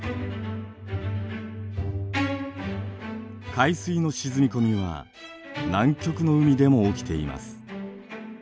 海水の沈み込みは南極の海でも起きています。